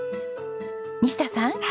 西田さん。